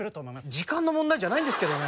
時間の問題じゃないんですけどね。